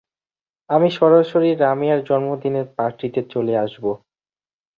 আমি সরাসরি রামিয়ার জন্মদিনের পার্টিতে চলে আসব।